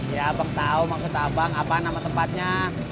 ya abang tahu maksud abang apa nama tempatnya